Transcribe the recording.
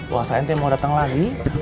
wa saen teh mau dateng lagi